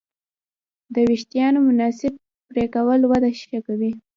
د وېښتیانو مناسب پرېکول وده ښه کوي.